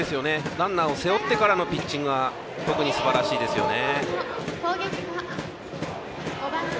ランナーを背負ってからのピッチングは特にすばらしいですよね。